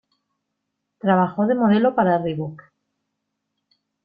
Trabajó de modelo para Reebok.